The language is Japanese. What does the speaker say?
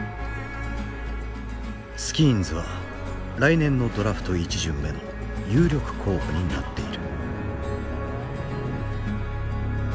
スキーンズは来年のドラフト１巡目の有力候補になっている。